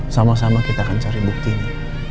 sama sama kita akan cari bukti ini